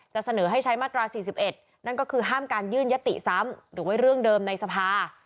เสนอให้ใช้มาตรา๔๑นั่นก็คือห้ามการยื่นยติซ้ำหรือว่าเรื่องเดิมในสภา